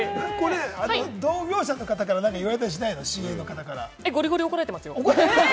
同業者の方から言われたりしゴリゴリ怒られてますよ。